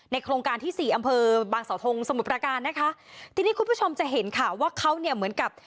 โครงการที่สี่อำเภอบางสาวทงสมุทรประการนะคะทีนี้คุณผู้ชมจะเห็นค่ะว่าเขาเนี่ยเหมือนกับ